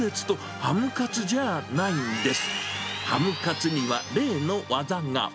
ハムカツには例の技が。